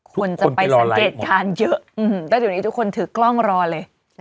คุณจะไปสังเกตการพอเราจะเห็นกันเยอะแต่วันนี้ทุกคนถือกล้องรอเลย